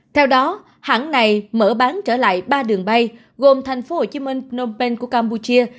theo đó hãng này mở bán trở lại ba đường bay gồm thành phố hồ chí minh phnom penh của campuchia